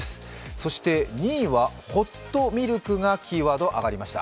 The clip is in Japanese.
そして２位はホットミルクがキーワード上がりました。